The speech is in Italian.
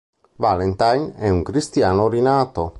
Valentine è un Cristiano Rinato.